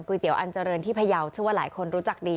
เตี๋ยอันเจริญที่พยาวเชื่อว่าหลายคนรู้จักดี